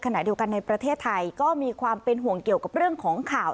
ขณะเดียวกันในประเทศไทยก็มีความเป็นห่วงเกี่ยวกับเรื่องของข่าว